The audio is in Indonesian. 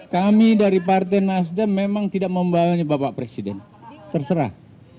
kami dari partai nasdem memang tidak membahaya bapak presiden terserah